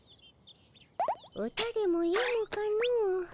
歌でもよむかの。